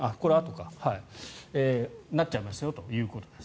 そうなっちゃいましたよということです。